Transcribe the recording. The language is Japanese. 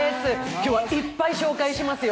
今日はいっぱい紹介しますよ。